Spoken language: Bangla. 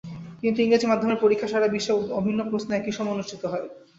কিন্তু ইংরেজি মাধ্যমের পরীক্ষা সারা বিশ্বে অভিন্ন প্রশ্নে একই সময়ে অনুষ্ঠিত হয়।